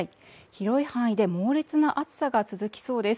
広い範囲で猛烈な暑さが続きそうです